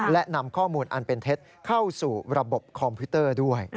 และนำข้อมูลอันเป็นเท็จเข้าสู่ระบบคอมพิวเตอร์ด้วย